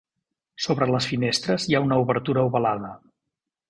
Sobre les finestres hi ha una obertura ovalada.